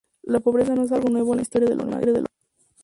La pobreza no es algo nuevo en la historia de la humanidad.